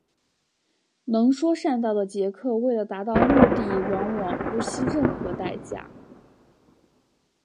能说善道的杰克为了达到目的往往不惜任何代价。